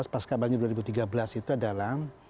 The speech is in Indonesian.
pas kabarnya dua ribu tiga belas itu adalah